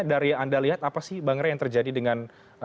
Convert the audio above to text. dari anda lihat apa sih bang ray yang terjadi dengan